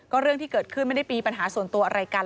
เรื่องที่เกิดขึ้นไม่ได้มีปัญหาส่วนตัวอะไรกัน